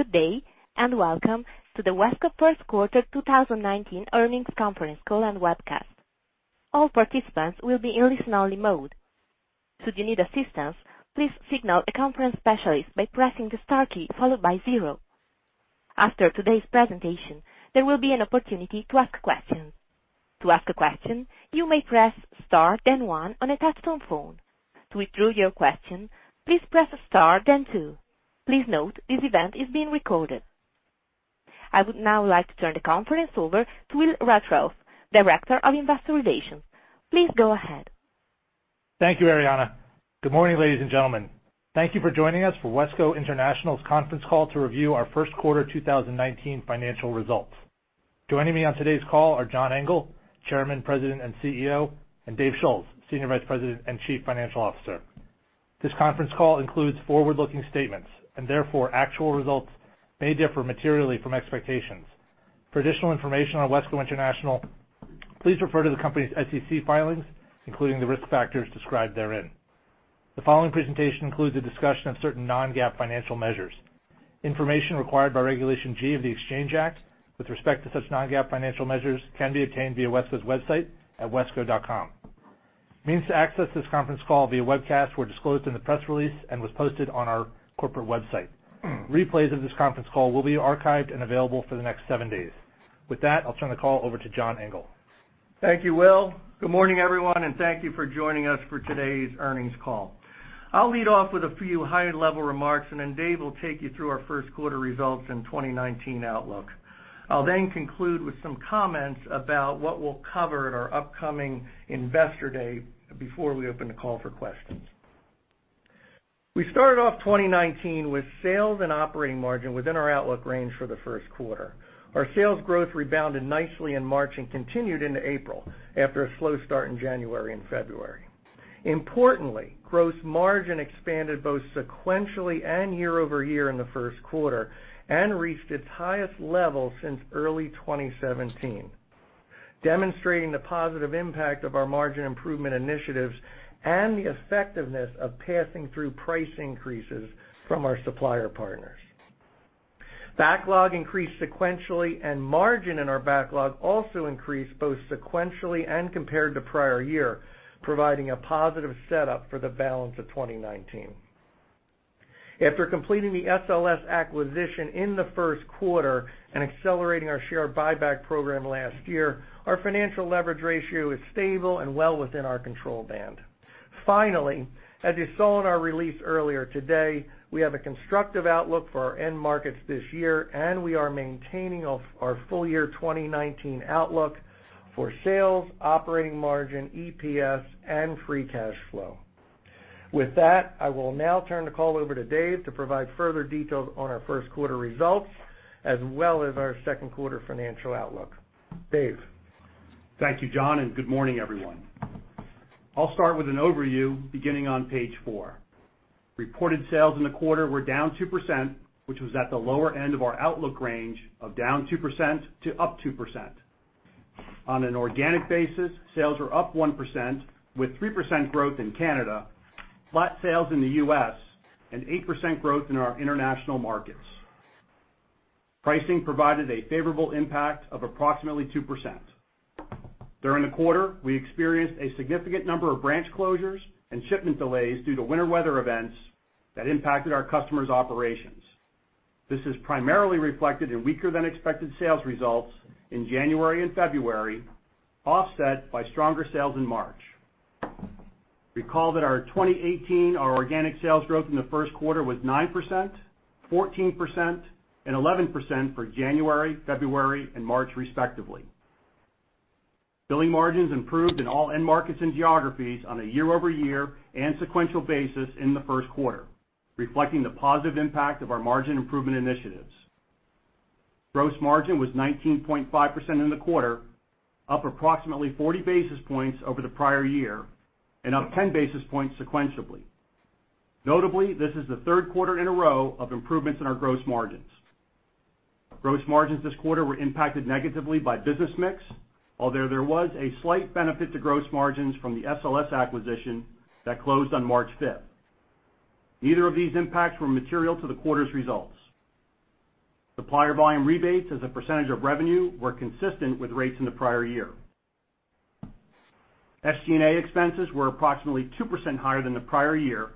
Good day, and welcome to the WESCO first quarter 2019 earnings conference call and webcast. All participants will be in listen-only mode. Should you need assistance, please signal a conference specialist by pressing the star key, followed by zero. After today's presentation, there will be an opportunity to ask questions. To ask a question, you may press star then one on a touch-tone phone. To withdraw your question, please press star then two. Please note, this event is being recorded. I would now like to turn the conference over to Will Ruthrauff, Director of Investor Relations. Please go ahead. Thank you, Ariana. Good morning, ladies and gentlemen. Thank you for joining us for WESCO International's conference call to review our first quarter 2019 financial results. Joining me on today's call are John Engel, Chairman, President, and CEO, and Dave Schulz, Senior Vice President and Chief Financial Officer. Therefore, actual results may differ materially from expectations. For additional information on WESCO International, please refer to the company's SEC filings, including the risk factors described therein. The following presentation includes a discussion of certain non-GAAP financial measures. Information required by Regulation G of the Exchange Act with respect to such non-GAAP financial measures can be obtained via WESCO's website at wesco.com. Means to access this conference call via webcast were disclosed in the press release and was posted on our corporate website. Replays of this conference call will be archived and available for the next seven days. With that, I'll turn the call over to John Engel. Thank you, Will. Good morning, everyone, and thank you for joining us for today's earnings call. I'll lead off with a few high-level remarks. Then Dave will take you through our first quarter results and 2019 outlook. I'll then conclude with some comments about what we'll cover at our upcoming investor day before we open the call for questions. We started off 2019 with sales and operating margin within our outlook range for the first quarter. Our sales growth rebounded nicely in March and continued into April after a slow start in January and February. Importantly, gross margin expanded both sequentially and year-over-year in the first quarter and reached its highest level since early 2017, demonstrating the positive impact of our margin improvement initiatives and the effectiveness of passing through price increases from our supplier partners. Backlog increased sequentially. Margin in our backlog also increased both sequentially and compared to prior year, providing a positive setup for the balance of 2019. After completing the SLS acquisition in the first quarter and accelerating our share buyback program last year, our financial leverage ratio is stable and well within our control band. Finally, as you saw in our release earlier today, we have a constructive outlook for our end markets this year. We are maintaining our full year 2019 outlook for sales, operating margin, EPS, and free cash flow. With that, I will now turn the call over to Dave to provide further details on our first quarter results, as well as our second quarter financial outlook. Dave? Thank you, John. Good morning, everyone. I'll start with an overview beginning on page four. Reported sales in the quarter were down 2%, which was at the lower end of our outlook range of -2%-2%. On an organic basis, sales were up 1% with 3% growth in Canada, flat sales in the U.S. 8% growth in our international markets. Pricing provided a favorable impact of approximately 2%. During the quarter, we experienced a significant number of branch closures and shipment delays due to winter weather events that impacted our customers' operations. This is primarily reflected in weaker than expected sales results in January and February, offset by stronger sales in March. Recall that our 2018, our organic sales growth in the first quarter was 9%, 14%, and 11% for January, February, and March, respectively. Billing margins improved in all end markets and geographies on a year-over-year and sequential basis in the first quarter, reflecting the positive impact of our margin improvement initiatives. Gross margin was 19.5% in the quarter, up approximately 40 basis points over the prior year. Up 10 basis points sequentially. Notably, this is the third quarter in a row of improvements in our gross margins. Gross margins this quarter were impacted negatively by business mix, although there was a slight benefit to gross margins from the SLS acquisition that closed on March 5th. Neither of these impacts were material to the quarter's results. Supplier volume rebates as a percentage of revenue were consistent with rates in the prior year. SG&A expenses were approximately 2% higher than the prior year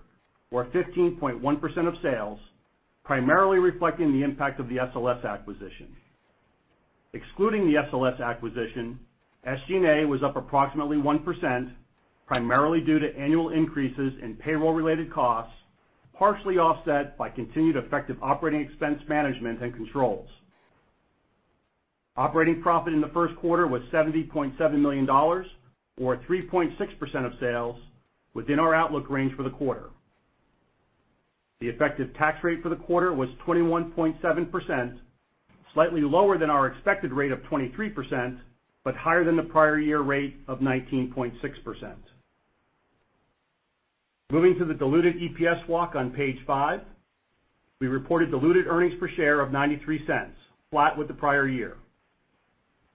or 15.1% of sales, primarily reflecting the impact of the SLS acquisition. Excluding the SLS acquisition, SG&A was up approximately 1%, primarily due to annual increases in payroll-related costs, partially offset by continued effective operating expense management and controls. Operating profit in the first quarter was $70.7 million, or 3.6% of sales within our outlook range for the quarter. The effective tax rate for the quarter was 21.7%, slightly lower than our expected rate of 23%. Higher than the prior year rate of 19.6%. Moving to the diluted EPS walk on page five. We reported diluted earnings per share of $0.93, flat with the prior year.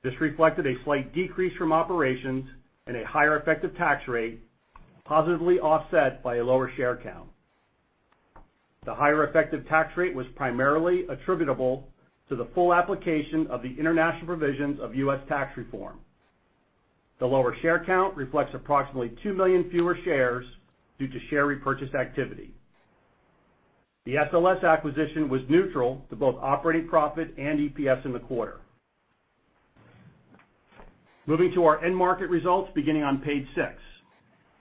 This reflected a slight decrease from operations and a higher effective tax rate, positively offset by a lower share count. The higher effective tax rate was primarily attributable to the full application of the international provisions of U.S. tax reform. The lower share count reflects approximately 2 million fewer shares due to share repurchase activity. The SLS acquisition was neutral to both operating profit and EPS in the quarter. Moving to our end market results, beginning on page six.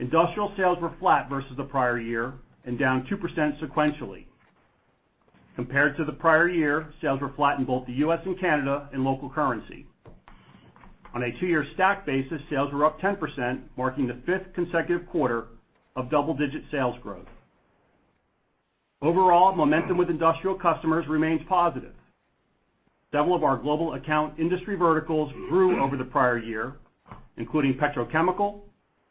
Industrial sales were flat versus the prior year and down 2% sequentially. Compared to the prior year, sales were flat in both the U.S. and Canada in local currency. On a two-year stack basis, sales were up 10%, marking the fifth consecutive quarter of double-digit sales growth. Overall, momentum with industrial customers remains positive. Several of our global account industry verticals grew over the prior year, including petrochemical,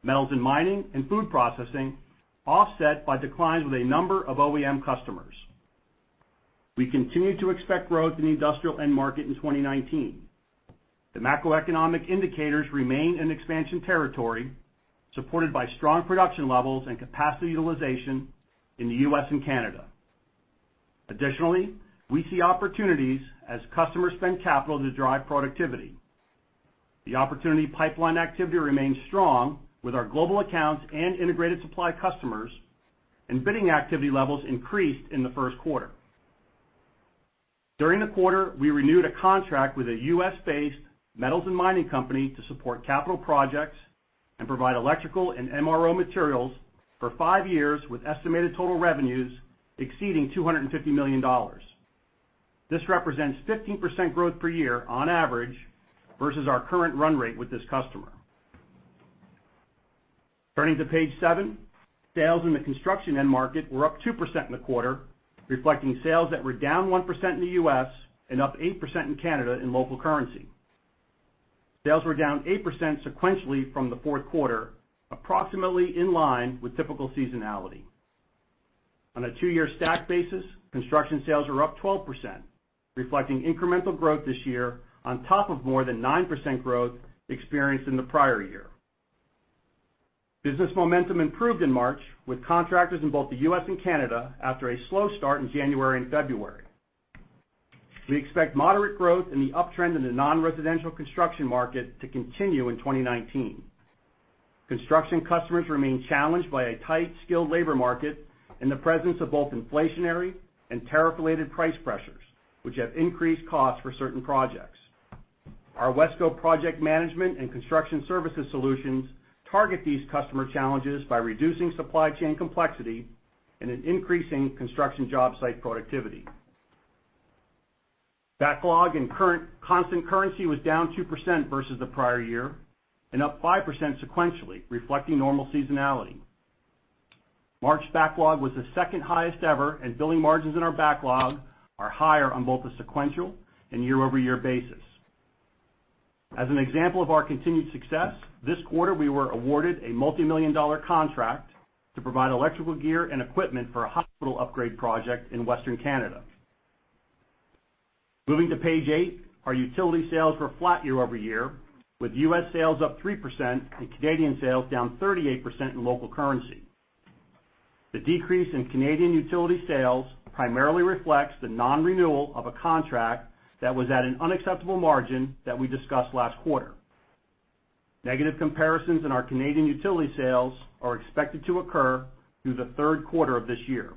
metals and mining, and food processing, offset by declines with a number of OEM customers. We continue to expect growth in the industrial end market in 2019. The macroeconomic indicators remain in expansion territory, supported by strong production levels and capacity utilization in the U.S. and Canada. Additionally, we see opportunities as customers spend capital to drive productivity. The opportunity pipeline activity remains strong with our global accounts and integrated supply customers, and bidding activity levels increased in the first quarter. During the quarter, we renewed a contract with a U.S.-based metals and mining company to support capital projects and provide electrical and MRO materials for five years, with estimated total revenues exceeding $250 million. This represents 15% growth per year on average versus our current run rate with this customer. Turning to page seven. Sales in the construction end market were up 2% in the quarter, reflecting sales that were down 1% in the U.S. and up 8% in Canada in local currency. Sales were down 8% sequentially from the fourth quarter, approximately in line with typical seasonality. On a two-year stack basis, construction sales were up 12%, reflecting incremental growth this year on top of more than 9% growth experienced in the prior year. Business momentum improved in March with contractors in both the U.S. and Canada after a slow start in January and February. We expect moderate growth in the uptrend in the non-residential construction market to continue in 2019. Construction customers remain challenged by a tight skilled labor market and the presence of both inflationary and tariff-related price pressures, which have increased costs for certain projects. Our WESCO project management and construction services solutions target these customer challenges by reducing supply chain complexity and increasing construction job site productivity. Backlog in constant currency was down 2% versus the prior year and up 5% sequentially, reflecting normal seasonality. March backlog was the second highest ever, and billing margins in our backlog are higher on both the sequential and year-over-year basis. As an example of our continued success, this quarter, we were awarded a multimillion-dollar contract to provide electrical gear and equipment for a hospital upgrade project in Western Canada. Moving to page eight. Our utility sales were flat year over year, with U.S. sales up 3% and Canadian sales down 38% in local currency. The decrease in Canadian utility sales primarily reflects the non-renewal of a contract that was at an unacceptable margin that we discussed last quarter. Negative comparisons in our Canadian utility sales are expected to occur through the third quarter of this year.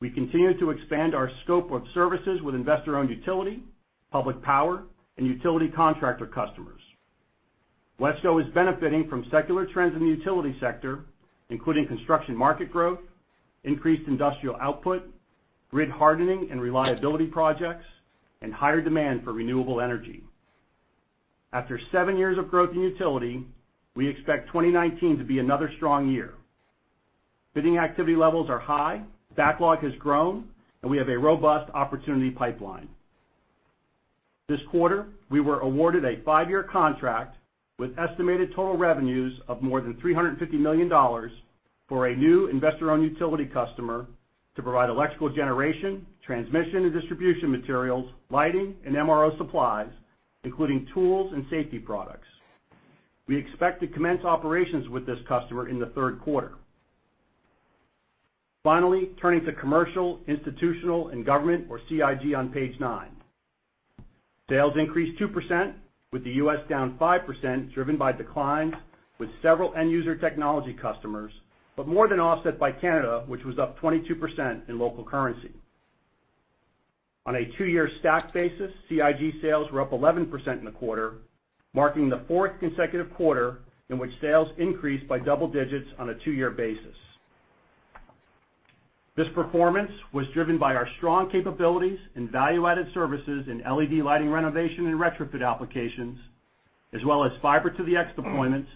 We continue to expand our scope of services with investor-owned utility, public power, and utility contractor customers. WESCO is benefiting from secular trends in the utility sector, including construction market growth, increased industrial output, grid hardening and reliability projects, and higher demand for renewable energy. After seven years of growth in utility, we expect 2019 to be another strong year. Bidding activity levels are high, backlog has grown, and we have a robust opportunity pipeline. This quarter, we were awarded a five-year contract with estimated total revenues of more than $350 million for a new investor-owned utility customer to provide electrical generation, transmission and distribution materials, lighting, and MRO supplies, including tools and safety products. We expect to commence operations with this customer in the third quarter. Finally, turning to commercial, institutional, and government or CIG on page nine. Sales increased 2%, with the U.S. down 5%, driven by declines with several end-user technology customers, but more than offset by Canada, which was up 22% in local currency. On a two-year stack basis, CIG sales were up 11% in the quarter, marking the fourth consecutive quarter in which sales increased by double digits on a two-year basis. This performance was driven by our strong capabilities in value-added services in LED lighting renovation and retrofit applications, as well as Fiber to the x deployments,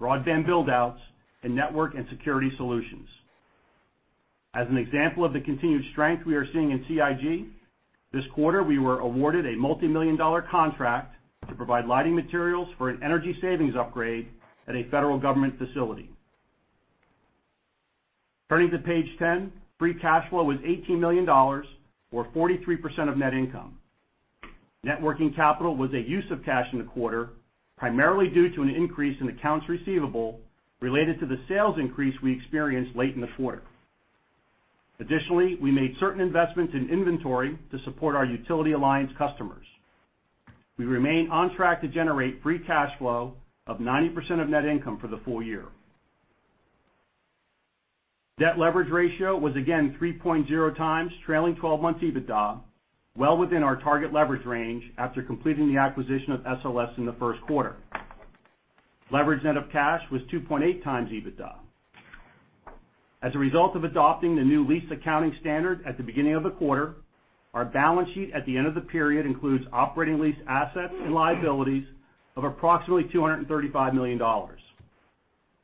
broadband build-outs, and network and security solutions. As an example of the continued strength we are seeing in CIG, this quarter, we were awarded a multimillion-dollar contract to provide lighting materials for an energy savings upgrade at a federal government facility. Turning to page 10, free cash flow was $18 million or 43% of net income. Networking capital was a use of cash in the quarter, primarily due to an increase in accounts receivable related to the sales increase we experienced late in the quarter. Additionally, we made certain investments in inventory to support our utility alliance customers. We remain on track to generate free cash flow of 90% of net income for the full year. Debt leverage ratio was again 3.0 times trailing 12 months EBITDA, well within our target leverage range after completing the acquisition of SLS in the first quarter. Leverage net of cash was 2.8 times EBITDA. As a result of adopting the new lease accounting standard at the beginning of the quarter, our balance sheet at the end of the period includes operating lease assets and liabilities of approximately $235 million.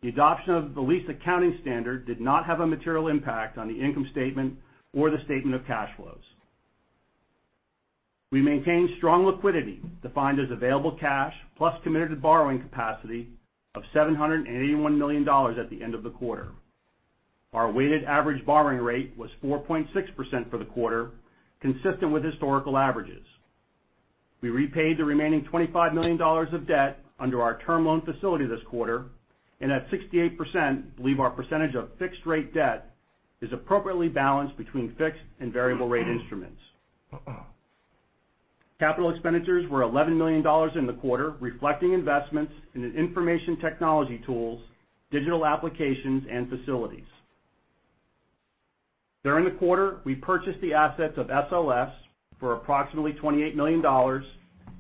The adoption of the lease accounting standard did not have a material impact on the income statement or the statement of cash flows. We maintained strong liquidity, defined as available cash plus committed borrowing capacity of $781 million at the end of the quarter. Our weighted average borrowing rate was 4.6% for the quarter, consistent with historical averages. We repaid the remaining $25 million of debt under our term loan facility this quarter, and at 68%, believe our percentage of fixed rate debt is appropriately balanced between fixed and variable rate instruments. Capital expenditures were $11 million in the quarter, reflecting investments in the information technology tools, digital applications, and facilities. During the quarter, we purchased the assets of SLS for approximately $28 million,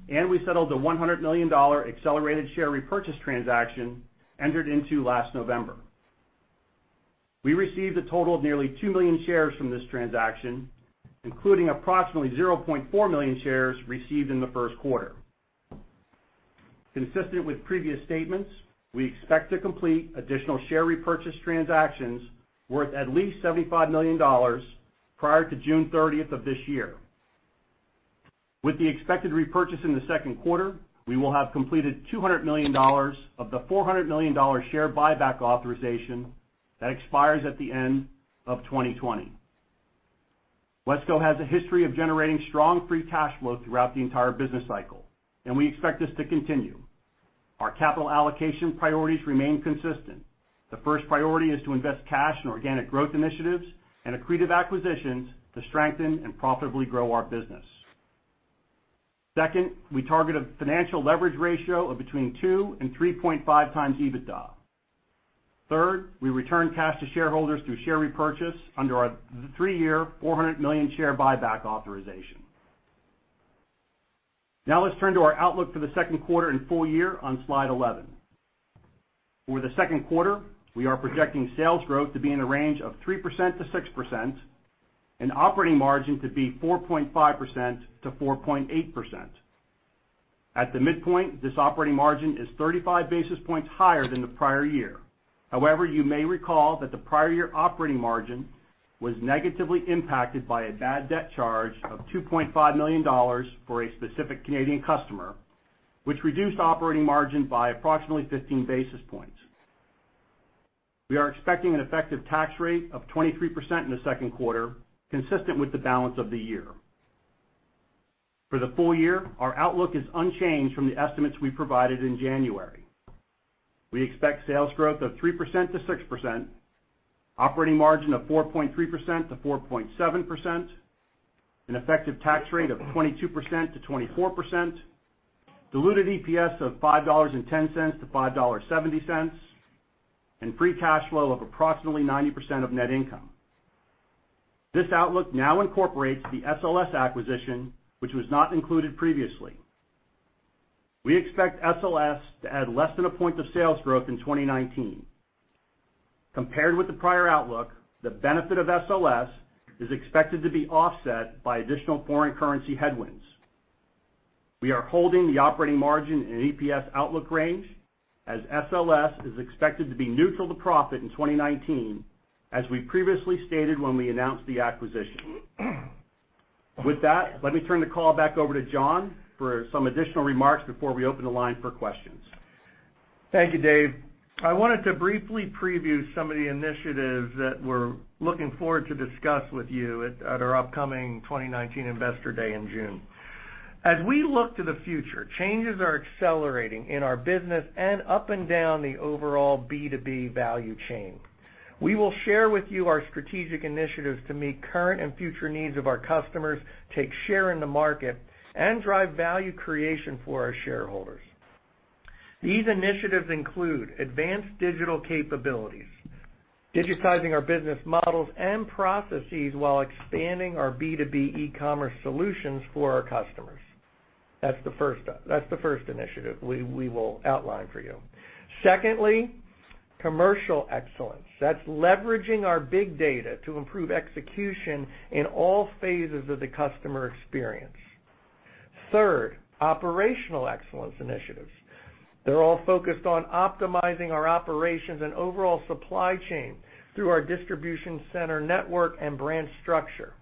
and we settled the $100 million accelerated share repurchase transaction entered into last November. We received a total of nearly two million shares from this transaction, including approximately 0.4 million shares received in the first quarter. Consistent with previous statements, we expect to complete additional share repurchase transactions worth at least $75 million prior to June 30th of this year. With the expected repurchase in the second quarter, we will have completed $200 million of the $400 million share buyback authorization that expires at the end of 2020. WESCO has a history of generating strong free cash flow throughout the entire business cycle, and we expect this to continue. Our capital allocation priorities remain consistent. The first priority is to invest cash in organic growth initiatives and accretive acquisitions to strengthen and profitably grow our business. Second, we target a financial leverage ratio of between two and 3.5 times EBITDA. Third, we return cash to shareholders through share repurchase under our three-year $400 million share buyback authorization. Let's turn to our outlook for the second quarter and full year on slide 11. For the second quarter, we are projecting sales growth to be in the range of 3%-6%, and operating margin to be 4.5%-4.8%. At the midpoint, this operating margin is 35 basis points higher than the prior year. You may recall that the prior year operating margin was negatively impacted by a bad debt charge of $2.5 million for a specific Canadian customer, which reduced operating margin by approximately 15 basis points. We are expecting an effective tax rate of 23% in the second quarter, consistent with the balance of the year. For the full year, our outlook is unchanged from the estimates we provided in January. We expect sales growth of 3%-6%, operating margin of 4.3%-4.7%, an effective tax rate of 22%-24%, diluted EPS of $5.10-$5.70, and free cash flow of approximately 90% of net income. This outlook now incorporates the SLS acquisition, which was not included previously. We expect SLS to add less than a point to sales growth in 2019. Compared with the prior outlook, the benefit of SLS is expected to be offset by additional foreign currency headwinds. We are holding the operating margin and EPS outlook range as SLS is expected to be neutral to profit in 2019, as we previously stated when we announced the acquisition. Let me turn the call back over to John for some additional remarks before we open the line for questions. Thank you, Dave. I wanted to briefly preview some of the initiatives that we're looking forward to discuss with you at our upcoming 2019 Investor Day in June. As we look to the future, changes are accelerating in our business and up and down the overall B2B value chain. We will share with you our strategic initiatives to meet current and future needs of our customers, take share in the market, and drive value creation for our shareholders. These initiatives include advanced digital capabilities, digitizing our business models and processes while expanding our B2B e-commerce solutions for our customers. That's the first initiative we will outline for you. Secondly, commercial excellence. That's leveraging our big data to improve execution in all phases of the customer experience. Third, operational excellence initiatives. They're all focused on optimizing our operations and overall supply chain through our distribution center network and brand structure,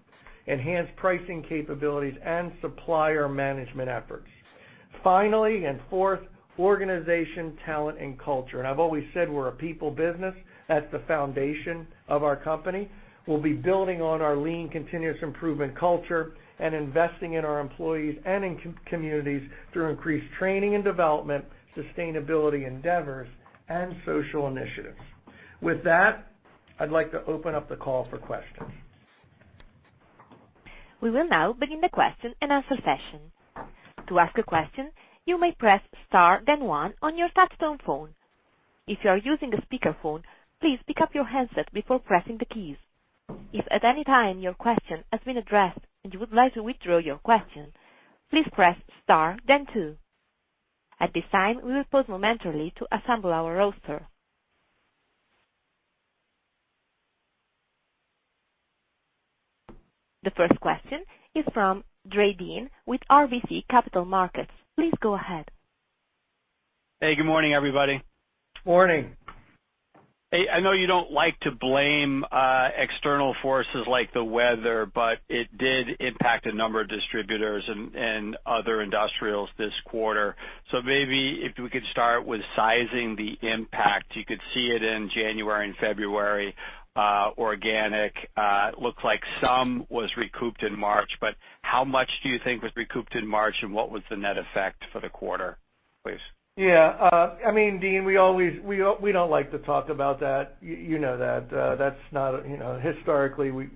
enhanced pricing capabilities, and supplier management efforts. Finally, fourth, organization, talent, and culture. I've always said we're a people business. That's the foundation of our company. We'll be building on our lean continuous improvement culture and investing in our employees and in communities through increased training and development, sustainability endeavors, and social initiatives. With that, I'd like to open up the call for questions. We will now begin the question and answer session. To ask a question, you may press star then one on your touchtone phone. If you are using a speakerphone, please pick up your handset before pressing the keys. If at any time your question has been addressed and you would like to withdraw your question, please press star then two. At this time, we will pause momentarily to assemble our roster. The first question is from Deane Dray with RBC Capital Markets. Please go ahead. Hey, good morning, everybody. Morning. Hey, I know you don't like to blame external forces like the weather, but it did impact a number of distributors and other industrials this quarter. Maybe if we could start with sizing the impact. You could see it in January and February, organic. Looks like some was recouped in March. How much do you think was recouped in March, and what was the net effect for the quarter, please? Yeah. Deane, we don't like to talk about that. You know that. Historically, we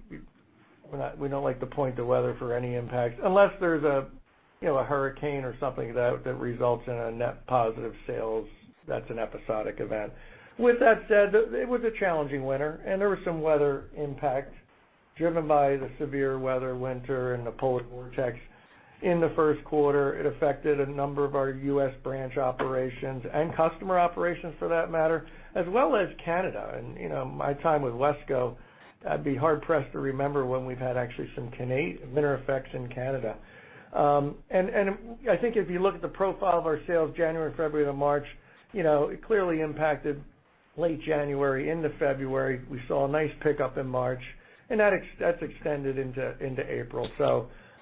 don't like to point to weather for any impact unless there's a hurricane or something that results in a net positive sales that's an episodic event. With that said, it was a challenging winter, there was some weather impact driven by the severe weather winter and the polar vortex in the first quarter. It affected a number of our U.S. branch operations and customer operations for that matter, as well as Canada. In my time with WESCO, I'd be hard-pressed to remember when we've had actually some winter effects in Canada. I think if you look at the profile of our sales January, February, to March, it clearly impacted late January into February. We saw a nice pickup in March, and that extended into April.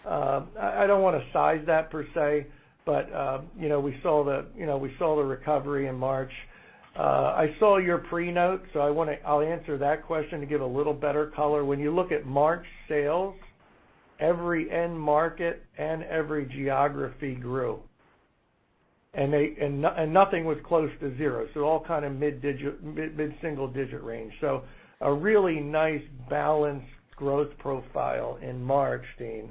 I don't want to size that per se, but we saw the recovery in March. I saw your pre-note, I'll answer that question to give a little better color. When you look at March sales, every end market and every geography grew, nothing was close to zero. All kind of mid-single-digit range. A really nice balanced growth profile in March, Deane.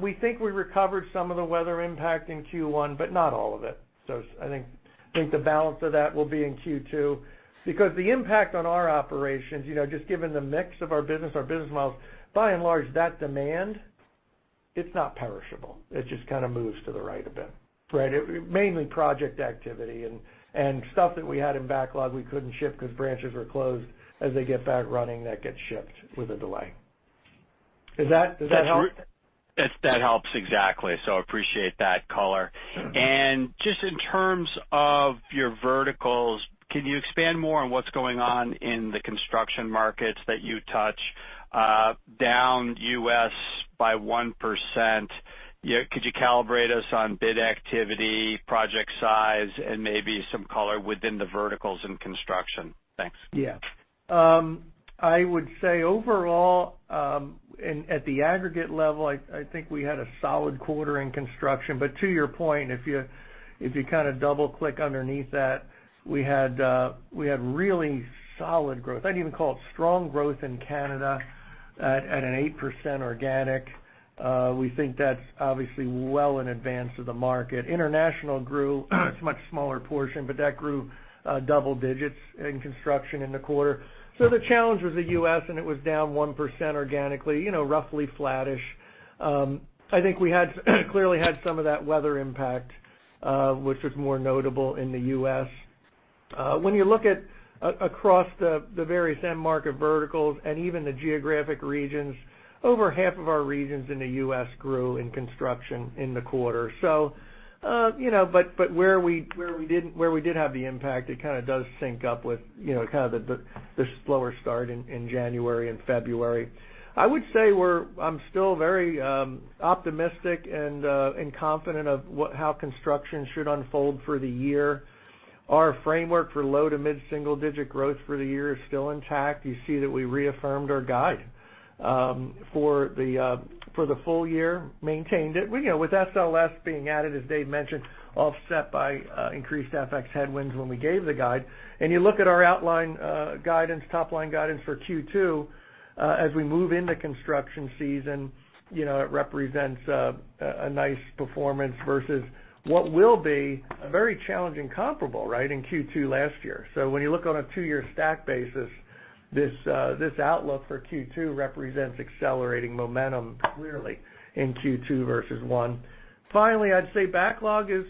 We think we recovered some of the weather impact in Q1, but not all of it. I think the balance of that will be in Q2 because the impact on our operations, just given the mix of our business models, by and large, that demand, it's not perishable. It just kind of moves to the right a bit, right? Mainly project activity and stuff that we had in backlog we couldn't ship because branches were closed. As they get back running, that gets shipped with a delay. Does that help? That helps. Exactly. Appreciate that color. Can you expand more on what's going on in the construction markets that you touch down U.S. by 1%? Could you calibrate us on bid activity, project size, and maybe some color within the verticals in construction? Thanks. Yeah. I would say overall, at the aggregate level, I think we had a solid quarter in construction. To your point, if you kind of double-click underneath that, we had really solid growth. I'd even call it strong growth in Canada at an 8% organic. We think that's obviously well in advance of the market. International grew. It's a much smaller portion, but that grew double digits in construction in the quarter. The challenge was the U.S., and it was down 1% organically, roughly flattish. I think we clearly had some of that weather impact, which was more notable in the U.S. When you look at across the various end market verticals and even the geographic regions, over half of our regions in the U.S. grew in construction in the quarter. Where we did have the impact, it kind of does sync up with kind of the slower start in January and February. I would say I'm still very optimistic and confident of how construction should unfold for the year. Our framework for low- to mid-single-digit growth for the year is still intact. You see that we reaffirmed our guide for the full year, maintained it. With SLS being added, as Dave mentioned, offset by increased FX headwinds when we gave the guide. You look at our top-line guidance for Q2, as we move into construction season, it represents a nice performance versus what will be a very challenging comparable, right, in Q2 last year. When you look on a two-year stack basis, this outlook for Q2 represents accelerating momentum clearly in Q2 versus one. Finally, I'd say backlog is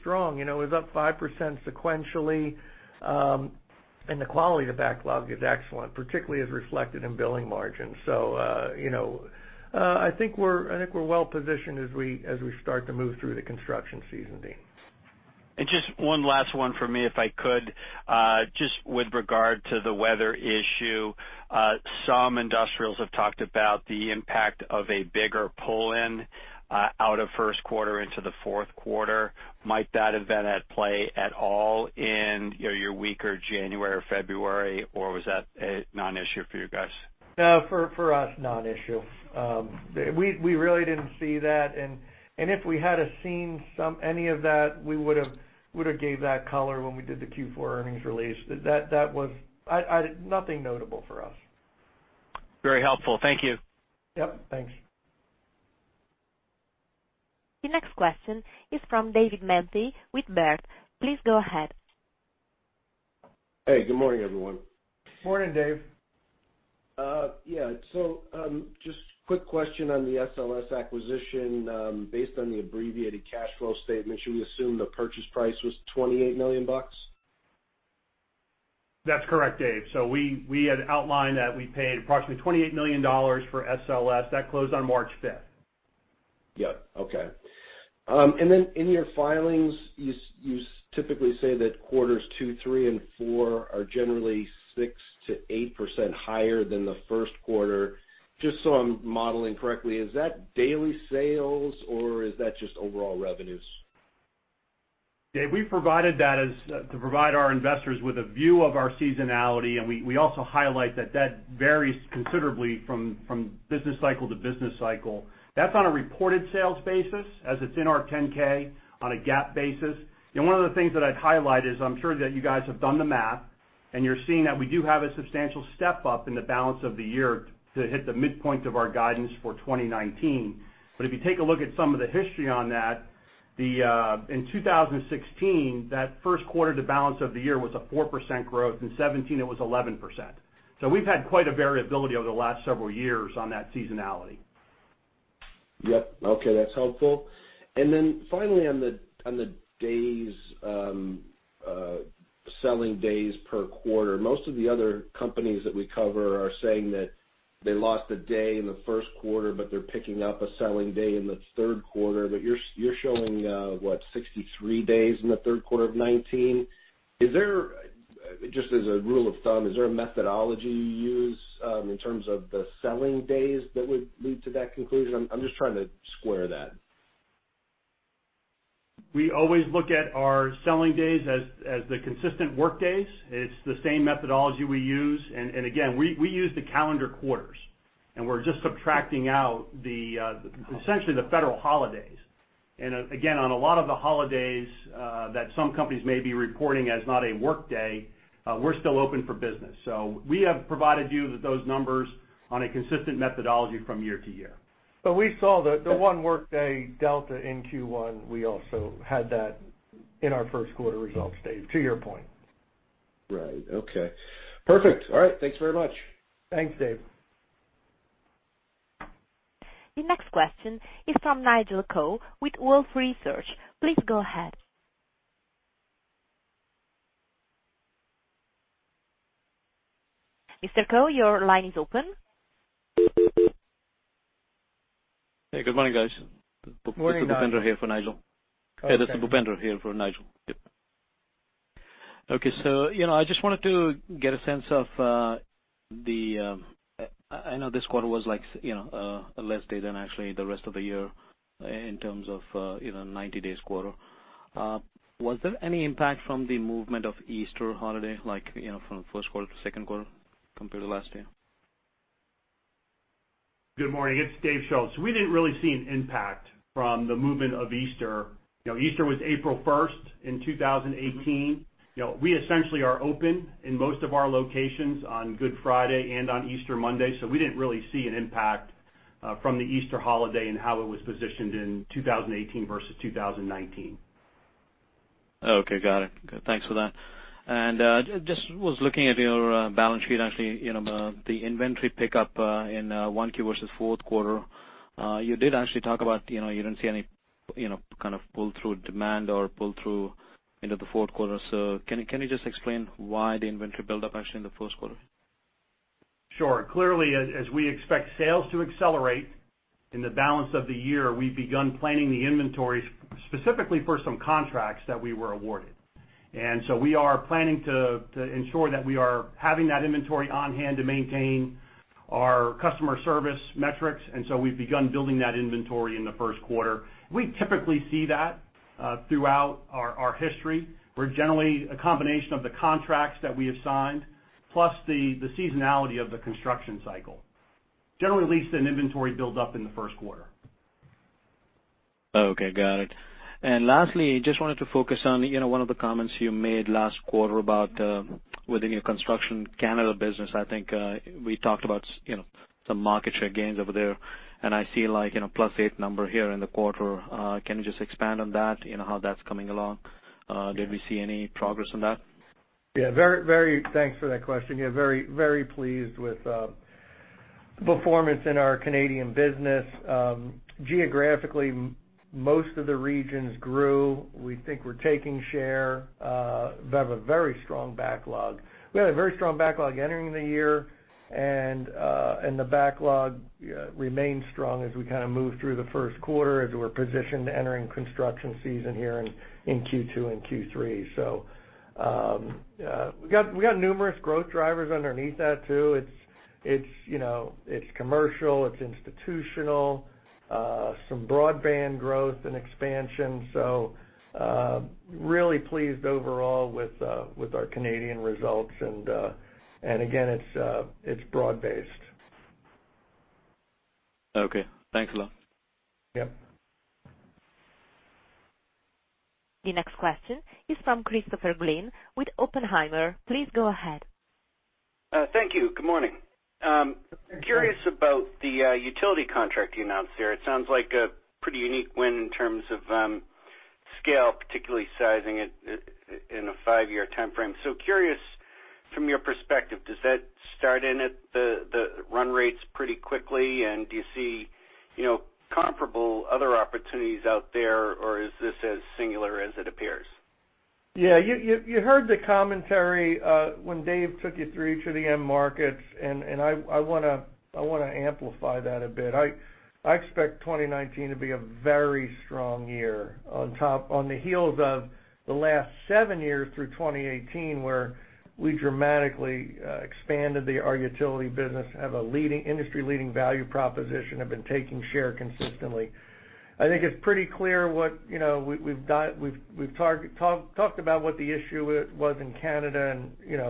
strong. It was up 5% sequentially. The quality of the backlog is excellent, particularly as reflected in billing margins. I think we're well positioned as we start to move through the construction season, Deane. Just one last one for me, if I could. Just with regard to the weather issue, some industrials have talked about the impact of a bigger pull-in out of first quarter into the fourth quarter. Might that have been at play at all in your weaker January or February, or was that a non-issue for you guys? No. For us, non-issue. We really didn't see that, and if we had seen any of that, we would've gave that color when we did the Q4 earnings release. Nothing notable for us. Very helpful. Thank you. Yep. Thanks. The next question is from David Manthey with Baird. Please go ahead. Hey, good morning, everyone. Morning, Dave. Yeah. Just quick question on the SLS acquisition. Based on the abbreviated cash flow statement, should we assume the purchase price was $28 million? That's correct, Dave. We had outlined that we paid approximately $28 million for SLS. That closed on March 5th. Yep. Okay. In your filings, you typically say that quarters two, three, and four are generally 6%-8% higher than the first quarter. Just so I'm modeling correctly, is that daily sales or is that just overall revenues? Dave, we provided that to provide our investors with a view of our seasonality, and we also highlight that that varies considerably from business cycle to business cycle. That's on a reported sales basis, as it's in our 10-K on a GAAP basis. One of the things that I'd highlight is, I'm sure that you guys have done the math and you're seeing that we do have a substantial step-up in the balance of the year to hit the midpoint of our guidance for 2019. If you take a look at some of the history on that, in 2016, that first quarter to balance of the year was a 4% growth. In 2017, it was 11%. We've had quite a variability over the last several years on that seasonality. Yep. Okay. That's helpful. Finally on the selling days per quarter. Most of the other companies that we cover are saying that they lost a day in the first quarter, but they're picking up a selling day in the third quarter. You're showing, what, 63 days in the third quarter of 2019? Just as a rule of thumb, is there a methodology you use in terms of the selling days that would lead to that conclusion? I'm just trying to square that. We always look at our selling days as the consistent workdays. It's the same methodology we use, again, we use the calendar quarters, and we're just subtracting out essentially the federal holidays. Again, on a lot of the holidays that some companies may be reporting as not a workday, we're still open for business. We have provided you with those numbers on a consistent methodology from year to year. We saw the one workday delta in Q1. We also had that in our first quarter results, Dave, to your point. Right. Okay. Perfect. All right. Thanks very much. Thanks, Dave. The next question is from Nigel Coe with Wolfe Research. Please go ahead. Mr. Coe, your line is open. Hey, good morning, guys. Morning, Nigel. This is Bhupendra here for Nigel. Okay. Yeah, this is Bhupendra here for Nigel. Yep. Okay, I just wanted to get a sense of the-- I know this quarter was a less day than actually the rest of the year in terms of 90-day quarter. Was there any impact from the movement of Easter holiday, like from first quarter to second quarter compared to last year? Good morning. It's Dave Schulz. We didn't really see an impact from the movement of Easter. Easter was April 1st in 2018. We essentially are open in most of our locations on Good Friday and on Easter Monday. We didn't really see an impact from the Easter holiday and how it was positioned in 2018 versus 2019. Okay, got it. Thanks for that. Just was looking at your balance sheet, actually, the inventory pickup in 1Q versus fourth quarter. You did actually talk about you didn't see any kind of pull-through demand or pull-through into the fourth quarter. Can you just explain why the inventory buildup actually in the first quarter? Sure. Clearly, as we expect sales to accelerate in the balance of the year, we've begun planning the inventory specifically for some contracts that we were awarded. We are planning to ensure that we are having that inventory on-hand to maintain our customer service metrics. We've begun building that inventory in the first quarter. We typically see that throughout our history. We're generally a combination of the contracts that we have signed, plus the seasonality of the construction cycle. Generally leads to an inventory buildup in the first quarter. Okay, got it. Lastly, just wanted to focus on one of the comments you made last quarter about within your Construction Canada business, I think we talked about some market share gains over there, and I see like plus eight number here in the quarter. Can you just expand on that? How that's coming along? Did we see any progress on that? Thanks for that question. Very pleased with Performance in our Canadian business. Geographically, most of the regions grew. We think we're taking share. We have a very strong backlog. We had a very strong backlog entering the year, and the backlog remained strong as we moved through the first quarter as we're positioned entering construction season here in Q2 and Q3. We got numerous growth drivers underneath that too. It's commercial, it's institutional, some broadband growth and expansion. Really pleased overall with our Canadian results. Again, it's broad-based. Thanks a lot. Yep. The next question is from Christopher Glynn with Oppenheimer. Please go ahead. Thank you. Good morning. Good morning. I'm curious about the utility contract you announced here. It sounds like a pretty unique win in terms of scale, particularly sizing it in a five-year timeframe. Curious from your perspective, does that start in at the run rates pretty quickly, and do you see comparable other opportunities out there, or is this as singular as it appears? Yeah. You heard the commentary when Dave took you through to the end markets, and I want to amplify that a bit. I expect 2019 to be a very strong year on the heels of the last seven years through 2018, where we dramatically expanded our utility business, have an industry-leading value proposition, have been taking share consistently. I think it's pretty clear what we've done. We've talked about what the issue was in Canada, and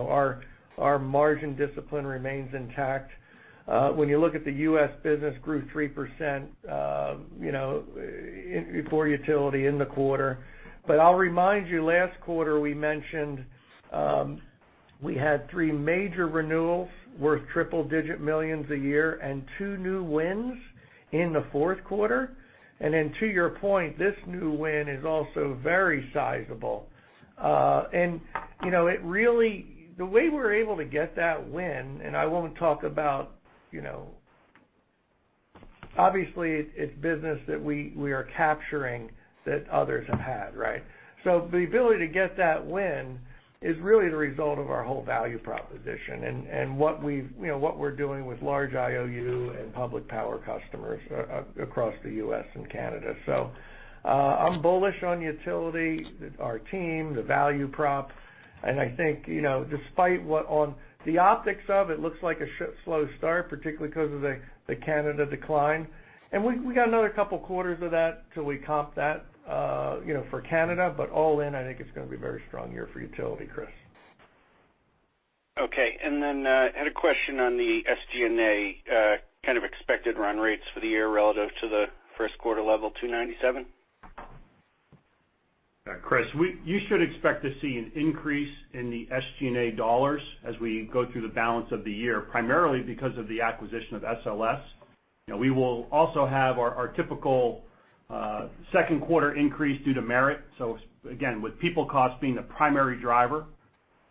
our margin discipline remains intact. When you look at the U.S. business grew 3% before utility in the quarter. I'll remind you, last quarter, we mentioned we had three major renewals worth triple digit millions a year and two new wins in the fourth quarter. To your point, this new win is also very sizable. The way we were able to get that win, I won't talk about. Obviously, it's business that we are capturing that others have had, right? The ability to get that win is really the result of our whole value proposition and what we're doing with large IOU and public power customers across the U.S. and Canada. I'm bullish on utility, our team, the value prop, and I think despite what on the optics of it looks like a slow start, particularly because of the Canada decline. We got another couple of quarters of that till we comp that for Canada. All in, I think it's going to be a very strong year for utility, Chris. Okay. Then, I had a question on the SG&A kind of expected run rates for the year relative to the first quarter level $297. Chris, you should expect to see an increase in the SG&A dollars as we go through the balance of the year, primarily because of the acquisition of SLS. We will also have our typical second quarter increase due to merit. Again, with people cost being the primary driver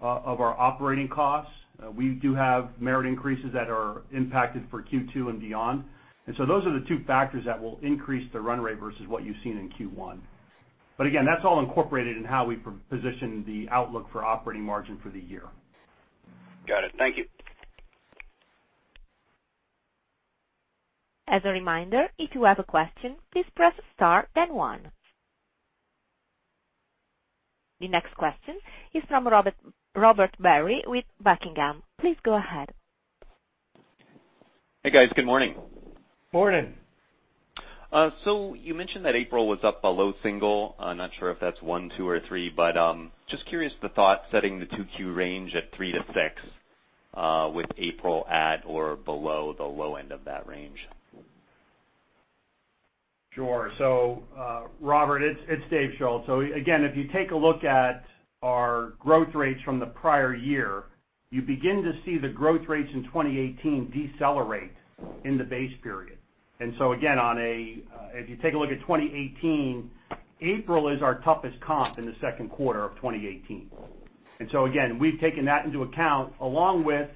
of our operating costs, we do have merit increases that are impacted for Q2 and beyond. Those are the two factors that will increase the run rate versus what you've seen in Q1. Again, that's all incorporated in how we position the outlook for operating margin for the year. Got it. Thank you. As a reminder, if you have a question, please press star then one. The next question is from Robert Barry with Buckingham. Please go ahead. Hey, guys. Good morning. Morning. You mentioned that April was up a low single. I'm not sure if that's one, two, or three, but just curious the thought setting the 2Q range at three to six, with April at or below the low end of that range. Sure. Robert, it's Dave Schulz. Again, if you take a look at our growth rates from the prior year, you begin to see the growth rates in 2018 decelerate in the base period. Again, if you take a look at 2018, April is our toughest comp in the second quarter of 2018. Again, we've taken that into account along with,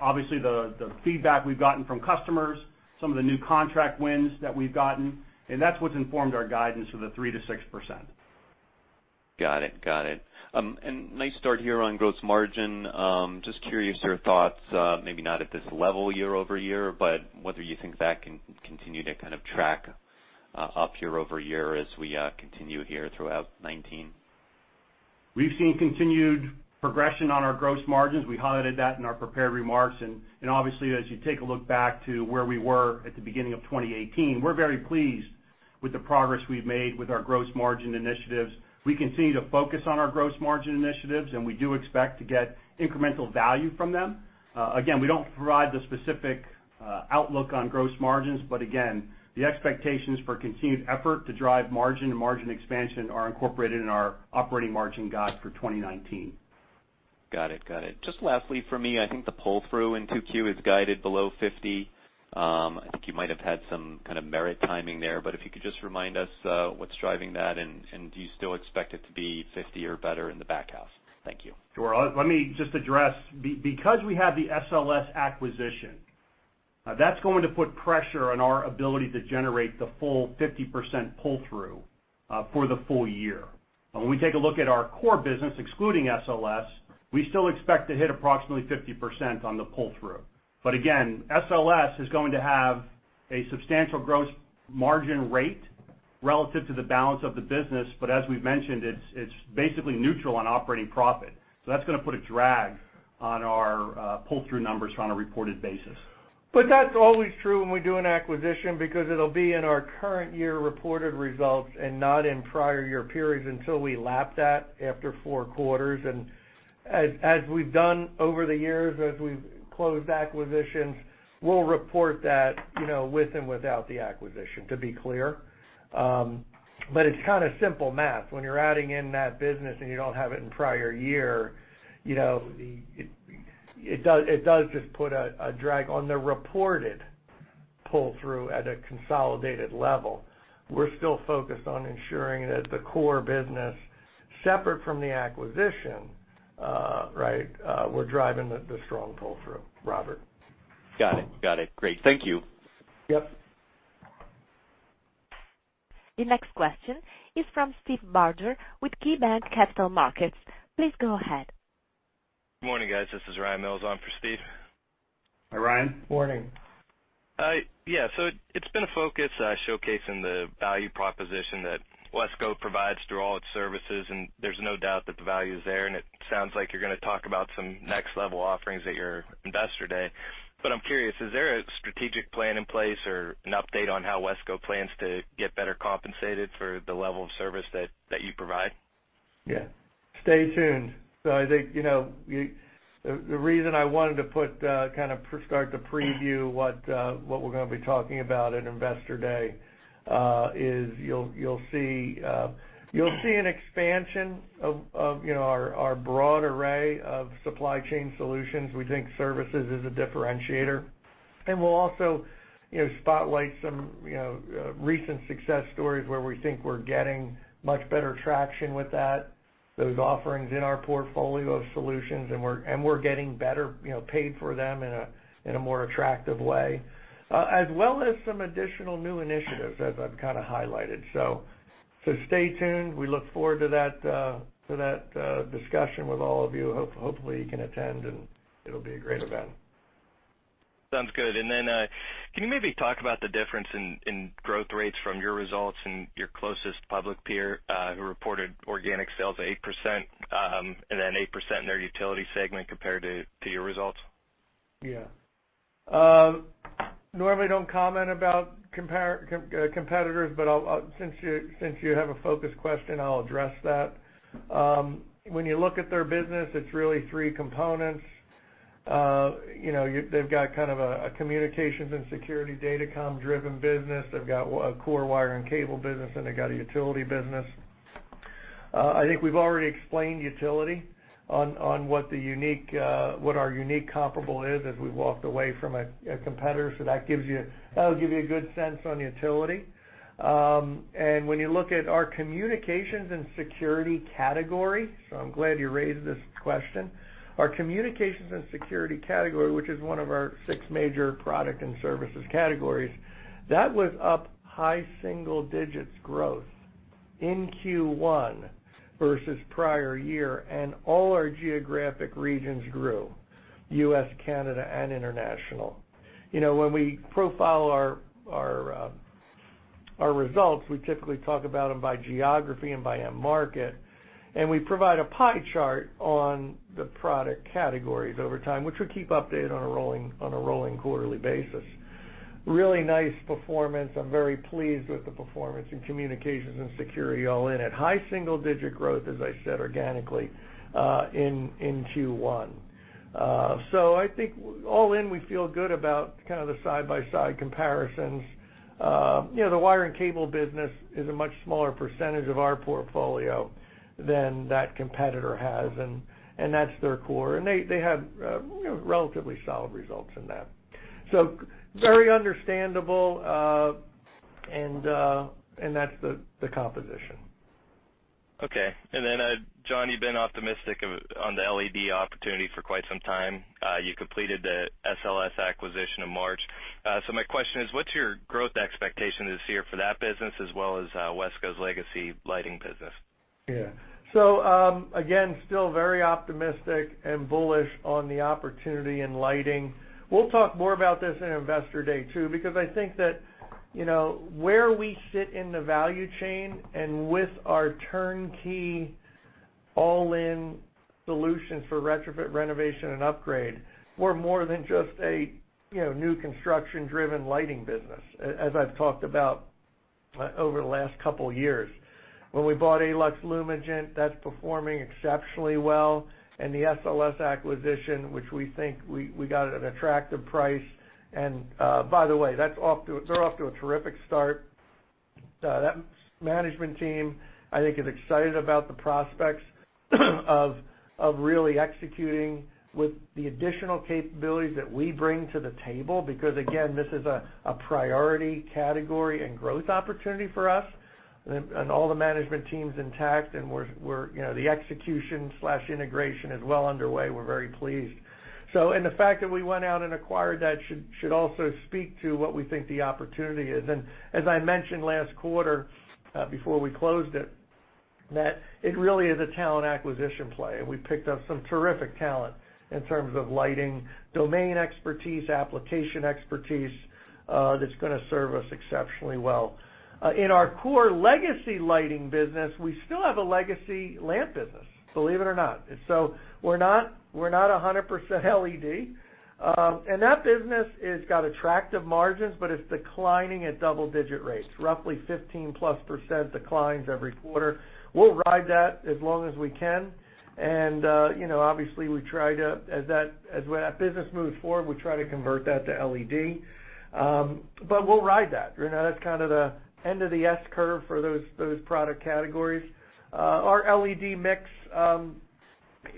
obviously, the feedback we've gotten from customers, some of the new contract wins that we've gotten, and that's what's informed our guidance for the 3%-6%. Got it. Nice start here on gross margin. Just curious your thoughts, maybe not at this level year-over-year, but whether you think that can continue to kind of track up year-over-year as we continue here throughout 2019. We've seen continued progression on our gross margins. We highlighted that in our prepared remarks. Obviously, as you take a look back to where we were at the beginning of 2018, we're very pleased with the progress we've made with our gross margin initiatives. We continue to focus on our gross margin initiatives, and we do expect to get incremental value from them. Again, we don't provide the specific outlook on gross margins, but again, the expectations for continued effort to drive margin and margin expansion are incorporated in our operating margin guide for 2019. Got it. Just lastly for me, I think the pull-through in 2Q is guided below 50%. I think you might have had some kind of merit timing there, but if you could just remind us what's driving that, and do you still expect it to be 50% or better in the back half? Thank you. Sure. Let me just address. Because we have the SLS acquisition. That's going to put pressure on our ability to generate the full 50% pull-through for the full year. When we take a look at our core business, excluding SLS, we still expect to hit approximately 50% on the pull-through. Again, SLS is going to have a substantial gross margin rate relative to the balance of the business, but as we've mentioned, it's basically neutral on operating profit. That's going to put a drag on our pull-through numbers on a reported basis. That's always true when we do an acquisition, because it'll be in our current year reported results and not in prior year periods until we lap that after four quarters. As we've done over the years, as we've closed acquisitions, we'll report that with and without the acquisition, to be clear. It's kind of simple math. When you're adding in that business and you don't have it in prior year, it does just put a drag on the reported pull-through at a consolidated level. We're still focused on ensuring that the core business, separate from the acquisition, we're driving the strong pull-through, Robert. Got it. Great. Thank you. Yep. The next question is from Steve Barger with KeyBanc Capital Markets. Please go ahead. Good morning, guys. This is Ryan Mills on for Steve. Hi, Ryan. Morning. Yeah. It's been a focus showcasing the value proposition that WESCO provides through all its services, and there's no doubt that the value is there, and it sounds like you're going to talk about some next-level offerings at your Investor Day. I'm curious, is there a strategic plan in place or an update on how WESCO plans to get better compensated for the level of service that you provide? Yeah. Stay tuned. I think the reason I wanted to kind of start to preview what we're going to be talking about at Investor Day is you'll see an expansion of our broad array of supply chain solutions. We think services is a differentiator. We'll also spotlight some recent success stories where we think we're getting much better traction with those offerings in our portfolio of solutions, and we're getting better paid for them in a more attractive way, as well as some additional new initiatives, as I've kind of highlighted. Stay tuned. We look forward to that discussion with all of you. Hopefully, you can attend, and it'll be a great event. Sounds good. Then can you maybe talk about the difference in growth rates from your results and your closest public peer who reported organic sales of 8% and then 8% in their utility segment compared to your results? Yeah. Normally, I don't comment about competitors, but since you have a focused question, I'll address that. When you look at their business, it's really three components. They've got kind of a communications and security datacom-driven business. They've got a core wire and cable business, and they've got a utility business. I think we've already explained utility on what our unique comparable is as we walked away from a competitor. That'll give you a good sense on utility. When you look at our communications and security category, I'm glad you raised this question. Our communications and security category, which is one of our six major product and services categories, that was up high single digits growth in Q1 versus prior year, and all our geographic regions grew, U.S., Canada, and international. When we profile our results, we typically talk about them by geography and by end market, and we provide a pie chart on the product categories over time, which we keep updated on a rolling quarterly basis. Really nice performance. I'm very pleased with the performance in communications and security all in at high single-digit growth, as I said, organically in Q1. I think all in, we feel good about kind of the side-by-side comparisons. The wire and cable business is a much smaller percentage of our portfolio than that competitor has, and that's their core, and they have relatively solid results in that. Very understandable, and that's the composition. Okay. John, you've been optimistic on the LED opportunity for quite some time. You completed the SLS acquisition in March. My question is, what's your growth expectation this year for that business as well as WESCO's legacy lighting business? Yeah. Again, still very optimistic and bullish on the opportunity in lighting. We'll talk more about this in Investor Day, too, because I think that where we sit in the value chain and with our turnkey all-in solutions for retrofit, renovation, and upgrade, we're more than just a new construction-driven lighting business, as I've talked about over the last couple of years. When we bought Aelux, that's performing exceptionally well, and the SLS acquisition, which we think we got at an attractive price. By the way, they're off to a terrific start. That management team, I think, is excited about the prospects of really executing with the additional capabilities that we bring to the table because, again, this is a priority category and growth opportunity for us, and all the management team's intact, and the execution/integration is well underway. We're very pleased. The fact that we went out and acquired that should also speak to what we think the opportunity is. As I mentioned last quarter, before we closed it, that it really is a talent acquisition play, and we picked up some terrific talent in terms of lighting, domain expertise, application expertise, that's going to serve us exceptionally well. In our core legacy lighting business, we still have a legacy lamp business, believe it or not. We're not 100% LED. That business has got attractive margins, but it's declining at double-digit rates, roughly 15-plus % declines every quarter. We'll ride that as long as we can, and obviously, as that business moves forward, we try to convert that to LED. We'll ride that. That's kind of the end of the S curve for those product categories. Our LED mix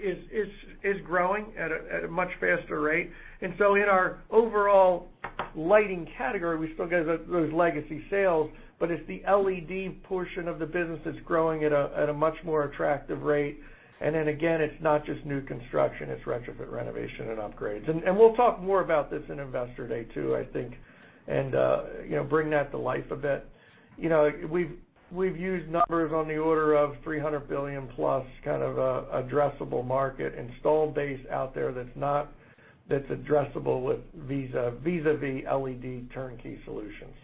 is growing at a much faster rate. In our overall lighting category, we still get those legacy sales, but it's the LED portion of the business that's growing at a much more attractive rate. Again, it's not just new construction, it's retrofit, renovation, and upgrades. We'll talk more about this in Investor Day, too, I think, and bring that to life a bit. We've used numbers on the order of $300 billion-plus kind of addressable market, installed base out there that's addressable with vis-a-vis LED turnkey solutions.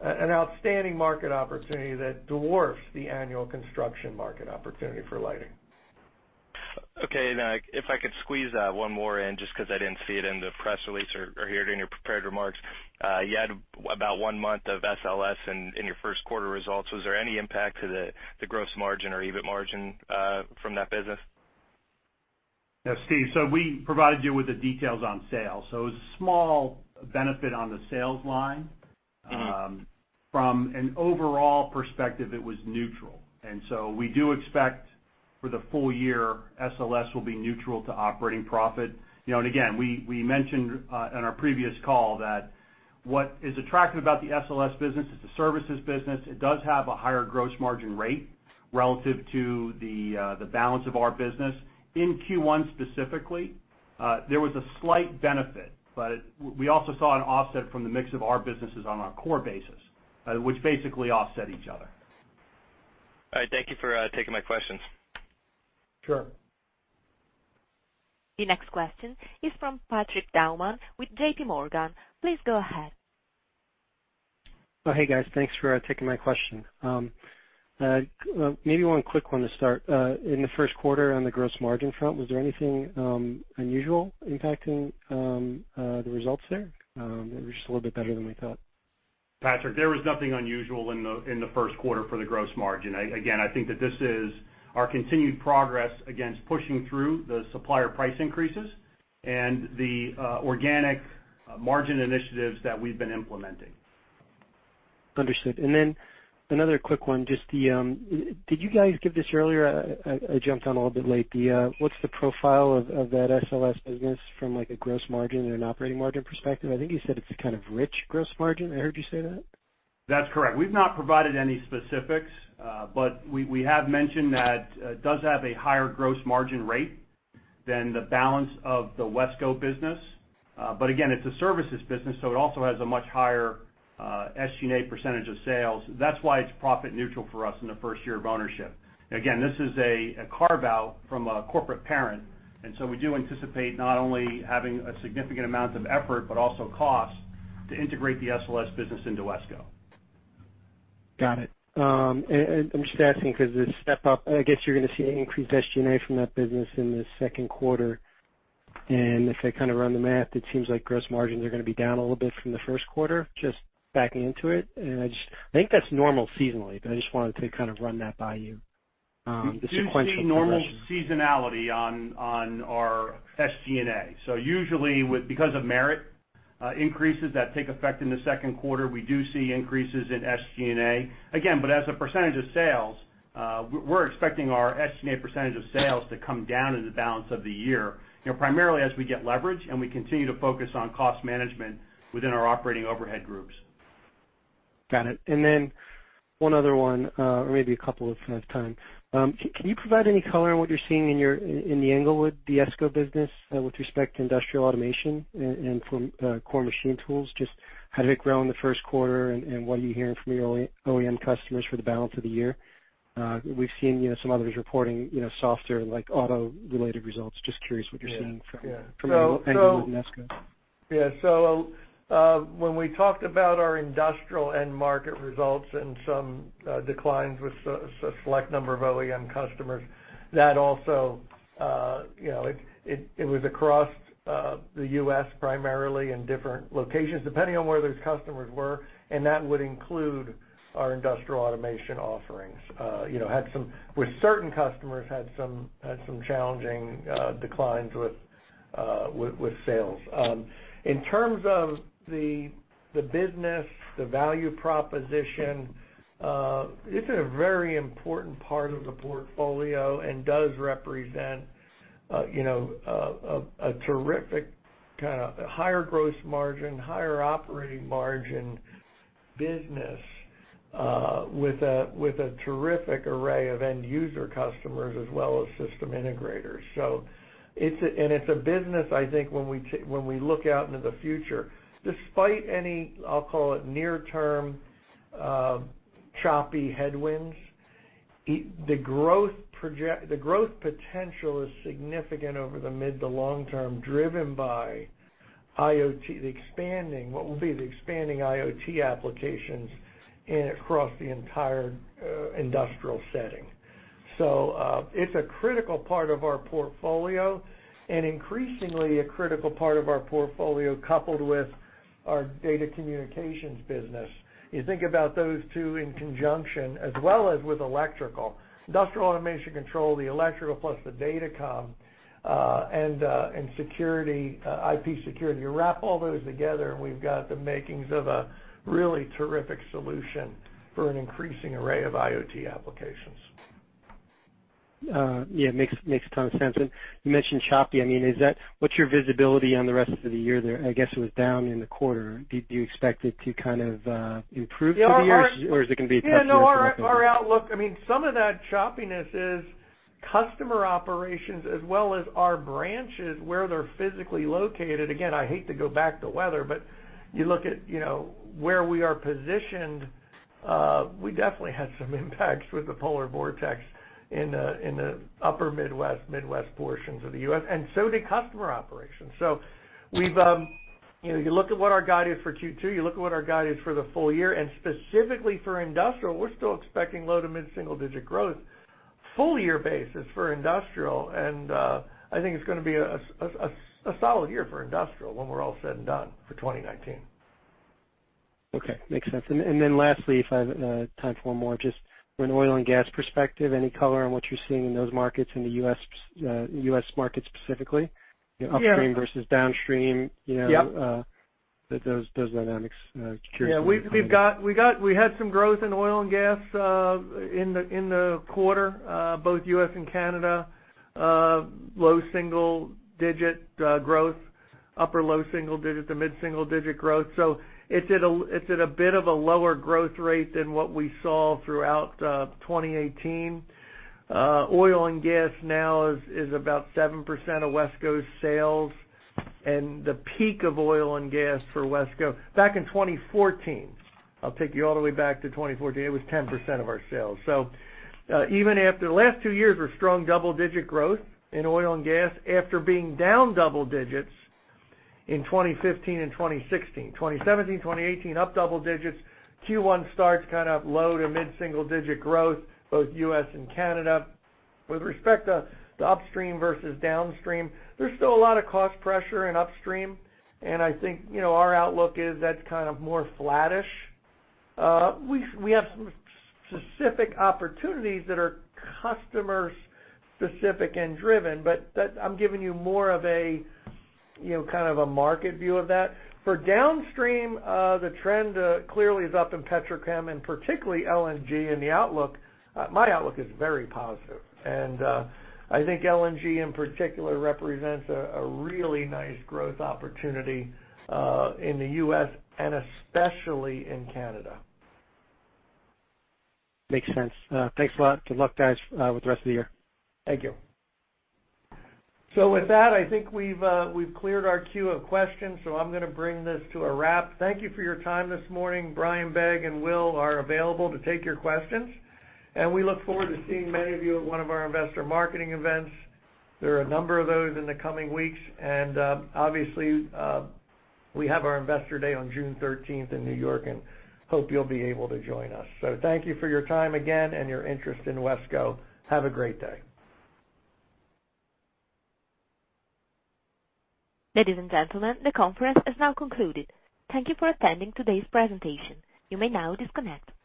An outstanding market opportunity that dwarfs the annual construction market opportunity for lighting. If I could squeeze one more in, just because I didn't see it in the press release or here in your prepared remarks. You had about one month of SLS in your first quarter results. Was there any impact to the gross margin or EBIT margin from that business? Steve, we provided you with the details on sales. It was a small benefit on the sales line. From an overall perspective, it was neutral. We do expect for the full year, SLS will be neutral to operating profit. Again, we mentioned on our previous call that what is attractive about the SLS business, it's a services business, it does have a higher gross margin rate relative to the balance of our business. In Q1 specifically, there was a slight benefit, we also saw an offset from the mix of our businesses on our core basis, which basically offset each other. All right. Thank you for taking my questions. Sure. The next question is from Patrick Baumann with JPMorgan. Please go ahead. Hey, guys. Thanks for taking my question. Maybe one quick one to start. In the first quarter on the gross margin front, was there anything unusual impacting the results there? They were just a little bit better than we thought. Patrick, there was nothing unusual in the first quarter for the gross margin. I think that this is our continued progress against pushing through the supplier price increases and the organic margin initiatives that we've been implementing. Understood. Another quick one, did you guys give this earlier? I jumped on a little bit late. What's the profile of that SLS business from, like, a gross margin or an operating margin perspective? I think you said it's a kind of rich gross margin, I heard you say that? That's correct. We've not provided any specifics, we have mentioned that it does have a higher gross margin rate than the balance of the WESCO business. It's a services business, it also has a much higher SG&A percentage of sales. That's why it's profit neutral for us in the first year of ownership. This is a carve-out from a corporate parent, we do anticipate not only having a significant amount of effort, but also cost to integrate the SLS business into WESCO. Got it. I'm just asking because the step-up, I guess you're going to see increased SG&A from that business in the second quarter. If I run the math, it seems like gross margins are going to be down a little bit from the first quarter, just backing into it. I think that's normal seasonally, but I just wanted to kind of run that by you, the sequential progression. We do see normal seasonality on our SG&A. Usually, because of merit increases that take effect in the second quarter, we do see increases in SG&A. As a percentage of sales, we're expecting our SG&A percentage of sales to come down in the balance of the year, primarily as we get leverage and we continue to focus on cost management within our operating overhead groups. Got it. One other one, or maybe a couple if I have time. Can you provide any color on what you're seeing in the EESCO, the EESCO business with respect to industrial automation and from core machine tools? Just how did it grow in the first quarter and what are you hearing from your OEM customers for the balance of the year? We've seen some others reporting softer, like auto-related results. Just curious what you're seeing from EESCO EESCO. When we talked about our industrial end market results and some declines with a select number of OEM customers, it was across the U.S. primarily in different locations, depending on where those customers were, and that would include our industrial automation offerings. With certain customers, had some challenging declines with sales. In terms of the business, the value proposition, it's a very important part of the portfolio and does represent a terrific kind of higher gross margin, higher operating margin business with a terrific array of end user customers as well as system integrators. It's a business, I think, when we look out into the future, despite any, I'll call it near term, choppy headwinds, the growth potential is significant over the mid to long term, driven by IoT, what will be the expanding IoT applications across the entire industrial setting. It's a critical part of our portfolio and increasingly a critical part of our portfolio coupled with our data communications business. You think about those two in conjunction as well as with electrical. Industrial automation control, the electrical plus the datacom, and IP security. You wrap all those together, and we've got the makings of a really terrific solution for an increasing array of IoT applications. Yeah, makes ton of sense. You mentioned choppy. What's your visibility on the rest of the year there? I guess it was down in the quarter. Do you expect it to kind of improve for the year? Or is it going to be tough for- Yeah, no, our outlook, some of that choppiness is customer operations as well as our branches, where they're physically located. Again, I hate to go back to weather, but you look at where we are positioned, we definitely had some impacts with the polar vortex in the upper Midwest portions of the U.S., and so did customer operations. You look at what our guide is for Q2, you look at what our guide is for the full year, and specifically for industrial, we're still expecting low to mid-single digit growth full year basis for industrial. I think it's going to be a solid year for industrial when we're all said and done for 2019. Okay, makes sense. Lastly, if I have time for one more, just from an oil and gas perspective, any color on what you're seeing in those markets, in the U.S. market specifically? Yeah. Upstream versus downstream. Yep. Those dynamics. Curious. Yeah, we had some growth in oil and gas in the quarter, both U.S. and Canada. Low single digit growth, upper low single digit to mid-single digit growth. It's at a bit of a lower growth rate than what we saw throughout 2018. Oil and gas now is about 7% of WESCO's sales and the peak of oil and gas for WESCO, back in 2014. I'll take you all the way back to 2014. It was 10% of our sales. Even after the last two years were strong double-digit growth in oil and gas after being down double digits in 2015 and 2016. 2017, 2018, up double digits. Q1 starts kind of low to mid-single digit growth, both U.S. and Canada. With respect to upstream versus downstream, there's still a lot of cost pressure in upstream, and I think our outlook is that's kind of more flattish. We have some specific opportunities that are customer specific and driven, but I'm giving you more of a kind of a market view of that. For downstream, the trend clearly is up in petrochem and particularly LNG and my outlook is very positive. I think LNG in particular represents a really nice growth opportunity in the U.S. and especially in Canada. Makes sense. Thanks a lot. Good luck, guys, with the rest of the year. Thank you. With that, I think we've cleared our queue of questions, so I'm going to bring this to a wrap. Thank you for your time this morning. Brian Begg and Will are available to take your questions, and we look forward to seeing many of you at one of our investor marketing events. There are a number of those in the coming weeks, and obviously, we have our Investor Day on June 13th in New York and hope you'll be able to join us. Thank you for your time, again, and your interest in WESCO. Have a great day. Ladies and gentlemen, the conference has now concluded. Thank you for attending today's presentation. You may now disconnect.